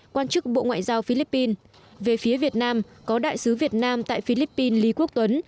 quan chức bộ ngoại giao philippines về phía việt nam có đại sứ việt nam tại philippines lý quốc tuấn